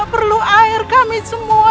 perlu air kami semua